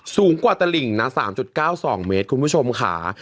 สูงกว่าตลิ่งนะ๓๙๒เมตรคุณผู้ชมค่ะ